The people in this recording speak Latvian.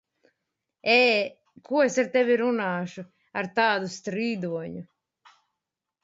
Ē! Ko es ar tevi runāšu, ar tādu strīdoņu?